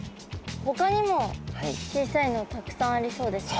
ほかにも小さいのたくさんありそうですね。